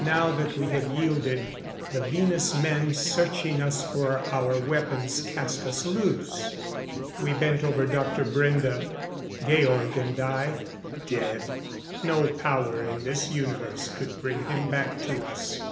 Now that we had yielded, the Venus men, searching us for our weapons, cast us loose. We bent over Dr. Brende, Georg and I. Dead. No power in this universe could bring him back to us.